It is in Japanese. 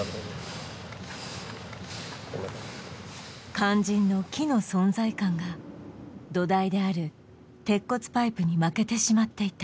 肝心の木の存在感が土台である鉄骨パイプに負けてしまっていた